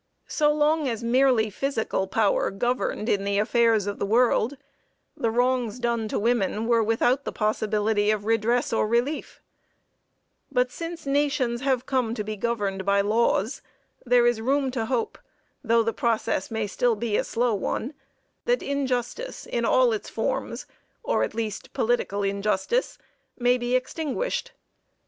So long as merely physical power governed in the affairs of the world, the wrongs done to women were without the possibility of redress or relief; but since nations have come to be governed by laws, there is room to hope, though the process may still be a slow one, that injustice in all its forms, or at least political injustice, may be extinguished.